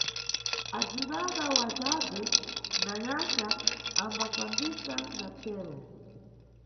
Azibaba wa Jabhe na Nyaxa ambafambisa na chero.